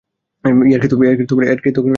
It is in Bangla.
ইয়ার্কি তো করছেন না।